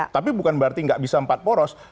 tapi bukan berarti nggak bisa empat poros